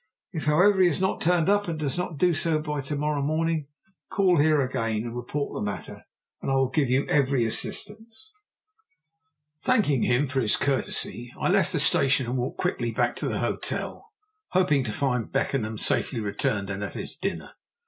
If, however, he has not turned up, and does not do so by to morrow morning, call here again and report the matter, and I will give you every assistance." Thanking him for his courtesy I left the station and walked quickly back to the hotel, hoping to find Beckenham safely returned and at his dinner.